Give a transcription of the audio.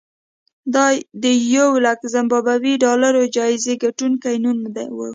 دا د یولک زیمبابويي ډالرو جایزې ګټونکي نوم و.